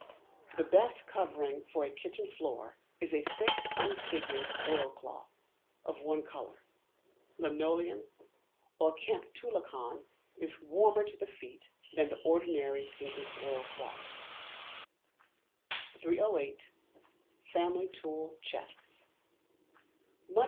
The best covering for a Kitchen Floor is a thick unfigured oil cloth, of one colour. Linoleum or kamptulicon is warmer to the feet than the ordinary painted oilcloth. 308. Family Tool Chests.